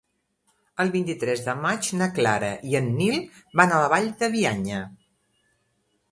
El vint-i-tres de maig na Clara i en Nil van a la Vall de Bianya.